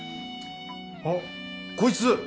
あっこいつ！